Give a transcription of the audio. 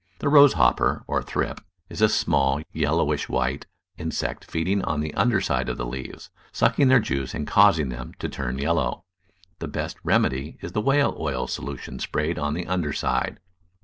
The rose hopper, or thrip, is a small, yellowish white insect feeding on the under side of the leaves, sucking their juice and causing them to turn yellow. The best remedy is the whale oil solution sprayed on the under side.